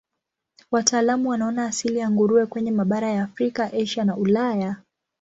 Wataalamu wanaona asili ya nguruwe kwenye mabara ya Afrika, Asia na Ulaya.